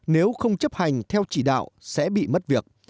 nếu không chấp hành theo chỉ đạo sẽ bị mất việc